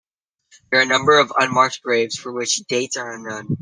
There are a number of unmarked graves, for which dates are unknown.